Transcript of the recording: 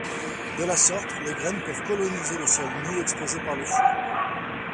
De la sorte, les graines peuvent coloniser le sol nu exposé par le feu.